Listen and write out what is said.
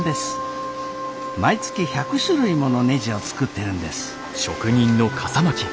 毎月１００種類ものねじを作ってるんです。